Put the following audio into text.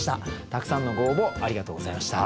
たくさんのご応募ありがとうございました。